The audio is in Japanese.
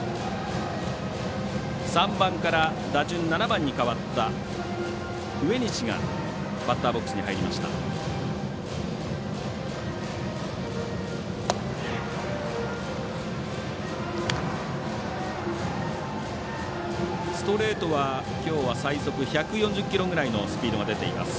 ３番から打順７番に変わった植西がバッターボックスに入りました。